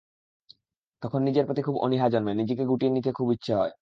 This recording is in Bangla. তখন নিজের প্রতি খুব অনীহা জন্মে, নিজেকে গুটিয়ে নিতে খুব ইচ্ছা হয়।